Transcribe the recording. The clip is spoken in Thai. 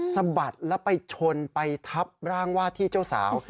สะบัดแล้วไปชนไปทับร่างวาดที่เจ้าสาว